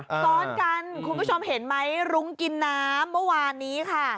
ซ้อนกันคุณผู้ชมเห็นไหมรุ้งกินน้ำเมื่อวานนี้ค่ะ